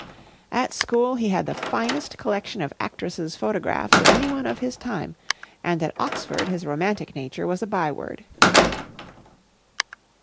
At school he had the finest collection of actresses' photographs of anyone of his time; and at Oxford his romantic nature was a byword.